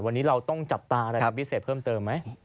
วันนี้เราต้องจับตาอะไรเป็นพิเศษเพิ่มเติมไหม